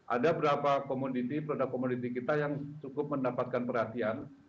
ada beberapa produk komoditi kita yang cukup mendapatkan perhatian